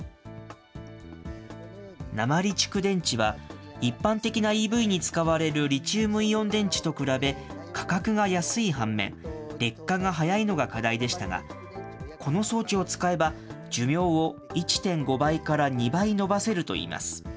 鉛蓄電池は、一般的なＥＶに使われるリチウムイオン電池と比べ価格が安い反面、劣化が早いのが課題でしたが、この装置を使えば、寿命を１．５倍から２倍延ばせるといいます。